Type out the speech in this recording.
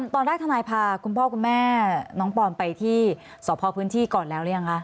ทนายพาคุณพ่อคุณแม่น้องปอนไปที่สพพื้นที่ก่อนแล้วหรือยังคะ